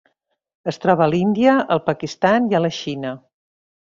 Es troba a l'Índia, el Pakistan i la Xina.